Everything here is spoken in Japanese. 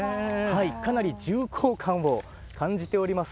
かなり重厚感を感じております。